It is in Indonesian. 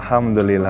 kakak missed ya